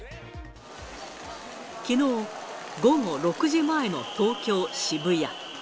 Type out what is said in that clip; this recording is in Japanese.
きのう午後６時前の東京・渋谷。